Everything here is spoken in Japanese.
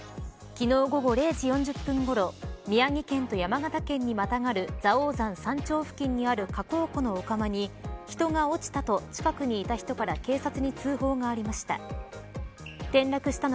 昨日、午後０時４０分ごろ宮城県と山形県にまたがる蔵王山山頂付近にある火口湖の御釜に、人が落ちたと近くにいた人から警察に通報がありました。